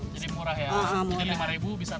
jadi murah ya rp lima bisa naik dua jutaan